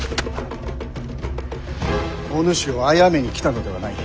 お主をあやめに来たのではない。